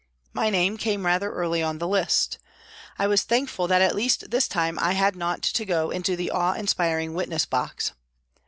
My name came rather early on the list. I was thankful that at least this time I had not to go into the awe inspiring witness box.